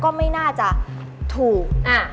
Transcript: ก็ไม่น่าจะถูก